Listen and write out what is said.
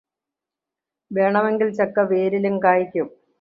വേണെമെങ്കിൽ ചക്ക വേരിലും കായ്ക്കും